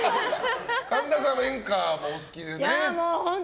神田さんは演歌がお好きでね。